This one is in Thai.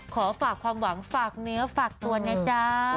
ขอฝากความหวังฝากเนื้อฝากตัวนะจ๊ะ